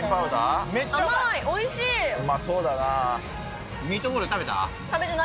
うまそうだな。